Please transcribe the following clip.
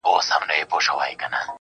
خو دده زامي له يخه څخه رېږدي.